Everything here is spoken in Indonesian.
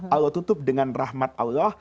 allah tutup dengan rahmat allah